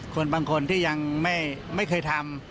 คนบางคนที่ยังไม่เคยทำ